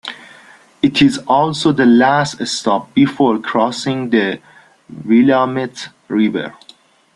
It is also the last stop before crossing the Willamette River.